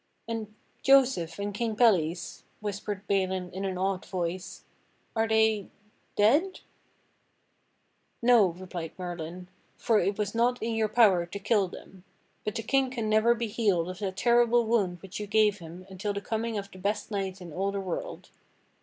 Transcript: "And Joseph and King Pelles," whispered Balin in an awed voice, "are they — dead?" THE DOLOROUS STROKE 105 "No," replied Merlin, "for it was not in your power to kill them; but the king can never be healed of that terrible wound which you gave him until the coming of the best knight in all the world.